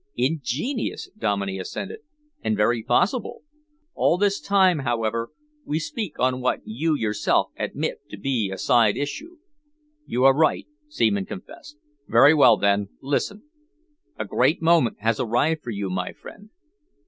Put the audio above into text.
"Ingenious," Dominey assented, "and very possible. All this time, however, we speak on what you yourself admit to be a side issue." "You are right," Seaman confessed. "Very well, then, listen. A great moment has arrived for you, my friend."